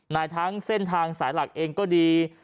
ในทั้งเส้นทางสายหลักเองก็ดี